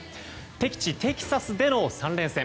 敵地テキサスでの３連戦。